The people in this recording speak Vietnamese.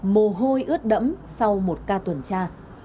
mồ hôi ướt đẫm sau một ca tuần tra